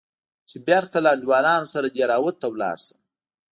چې بېرته له انډيوالانو سره دهراوت ته ولاړ سم.